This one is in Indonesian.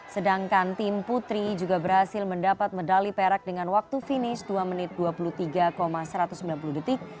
sedangkan tim putri juga berhasil mendapat medali perak dengan waktu finish dua menit dua puluh tiga satu ratus sembilan puluh detik